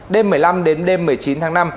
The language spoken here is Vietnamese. đêm một mươi năm đến đêm một mươi chín tháng năm